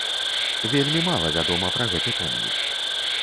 Вельмі мала вядома пра гэты помнік.